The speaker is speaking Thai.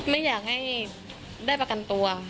ไม่อยากให้ได้ประกันตัว